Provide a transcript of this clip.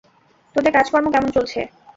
তোদের কাজ কর্ম কেমন চলছে?